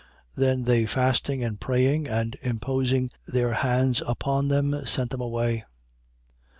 13:3. Then they fasting and praying and imposing their hands upon them, sent them away.